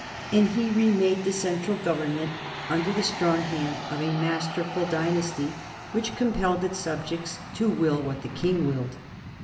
And he remade the central government under the strong hand of a masterful dynasty which compelled its subjects to will what the king willed.